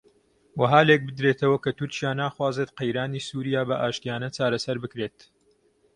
وەها لێک بدرێتەوە کە تورکیا ناخوازێت قەیرانی سووریا بە ئاشتییانە چارەسەر بکرێت